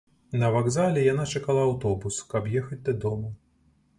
На вакзале яна чакала аўтобус, каб ехаць дадому.